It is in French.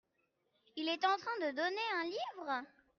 Il est en train de donner un livre ?